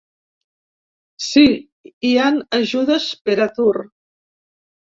Si, hi han ajudes per atur.